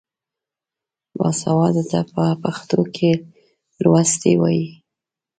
باسواده ته په پښتو کې لوستی وايي.